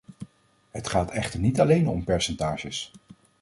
Het gaat echter niet alleen om percentages.